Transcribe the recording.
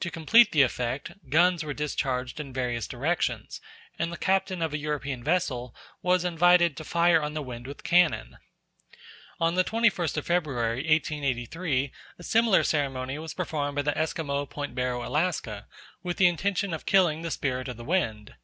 To complete the effect, guns were discharged in various directions, and the captain of a European vessel was invited to fire on the wind with cannon. On the twenty first of February 1883 a similar ceremony was performed by the Esquimaux of Point Barrow, Alaska, with the intention of killing the spirit of the wind.